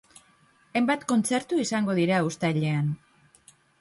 Hainbat kontzertu izango dira uztailean.